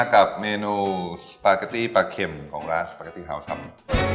กับเมนูสปาเกตตี้ปลาเข็มของร้านสปาเกตตี้ฮาวสัม